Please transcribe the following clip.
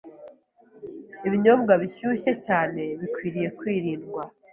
Ibinyobwa bishyushye cyane bikwiriye kwirindwa,